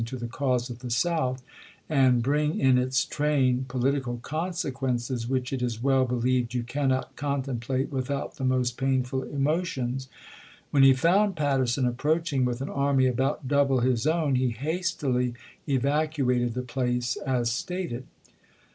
^' Vol ^^^^^ cause of the South," and "bring in its train a"ci Cooper poHtical conscquenccs which it is well believed you ston*! June cauuot coutcmplatc without the most painful emo Ibid!, p. 924. tions," when he found Patterson approaching with an army about double his own he hastily evacuated the place, as stated.